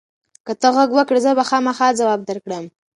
که ته غږ وکړې، زه به خامخا ځواب درکړم.